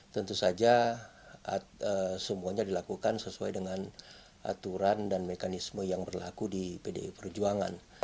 tentu saja semuanya dilakukan sesuai dengan aturan dan mekanisme yang berlaku di pdi perjuangan